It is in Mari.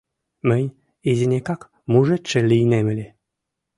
Мынь изинекак мужедше лийнем ыле.